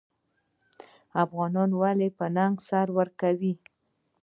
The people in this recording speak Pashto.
افغانان ولې په ننګ سر ورکوي؟